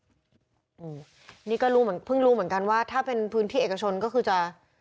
อืมนี่ก็รู้เหมือนเพิ่งรู้เหมือนกันว่าถ้าเป็นพื้นที่เอกชนก็คือจะ